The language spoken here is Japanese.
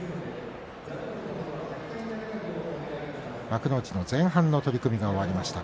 幕内の前半の取組が終わりました。